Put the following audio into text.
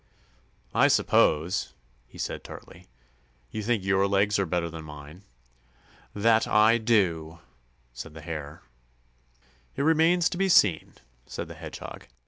"I suppose," he said tartly, "you think your legs are better than mine?" "That I do," said the Hare. "It remains to be seen," said the Hedgehog.